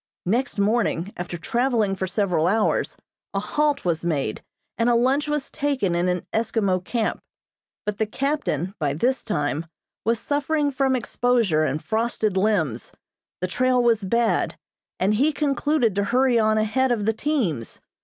Next morning, after traveling for several hours, a halt was made, and a lunch was taken in an Eskimo camp; but the captain, by this time, was suffering from exposure and frosted limbs, the trail was bad, and he concluded to hurry on ahead of the teams.